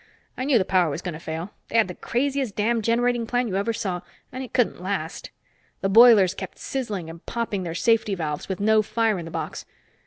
I knew the power was going to fail; they had the craziest damn generating plant you ever saw, and it couldn't last. The boilers kept sizzling and popping their safety valves with no fire in the box!